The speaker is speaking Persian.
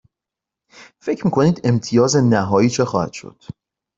فکر می کنید امتیاز نهایی چه خواهد شد؟